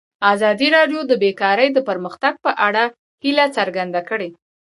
ازادي راډیو د بیکاري د پرمختګ په اړه هیله څرګنده کړې.